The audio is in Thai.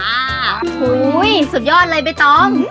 โห้ยสุดยอดเลยไปต้อง